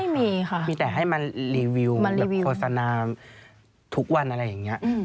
ไม่มีค่ะมีแต่ให้มารีวิวโฆษณาทุกวันอะไรอย่างนี้